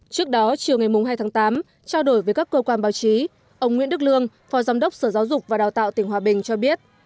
trước đó chiều ngày hai tháng tám trao đổi với các cơ quan báo chí ông nguyễn đức lương phó giám đốc sở giáo dục và đào tạo tỉnh hòa bình cho biết